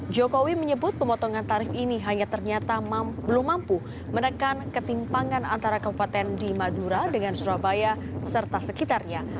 jokowi menyebut pemotongan tarif ini hanya ternyata belum mampu menekan ketimpangan antara kabupaten di madura dengan surabaya serta sekitarnya